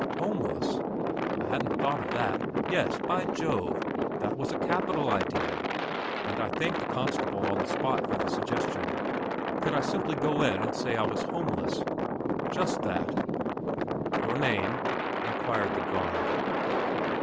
Homeless? I hadn't thought of that. Yes, by Jove, that was a capital idea; and I thanked the constable on the spot for the suggestion. Could I simply go in and say I was homeless? "Just that."... "Your name?" inquired the guard.